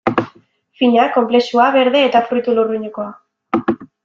Fina, konplexua, berde eta fruitu lurrinekoa...